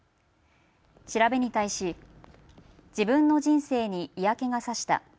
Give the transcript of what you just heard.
調べに対し、自分の人生に嫌気がさした。